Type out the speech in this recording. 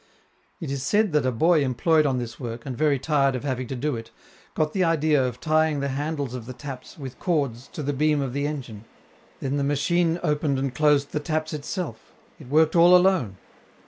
It is said that a boy employed on this work, and very tired of having to do it, got the idea of tying the handles of the taps, with cords, to the beam of the engine. Then the machine opened and closed the taps itself; it worked all alone.